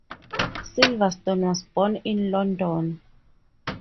Silverstone was born in London.